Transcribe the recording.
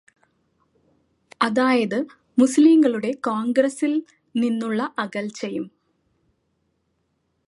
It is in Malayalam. അതായത് മുസ്ലിങ്ങളുടെ കോണ്ഗ്രസില് നിന്നുള്ള അകല്ച്ചയും